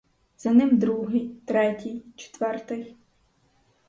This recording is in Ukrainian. За ним другий, третій, четвертий.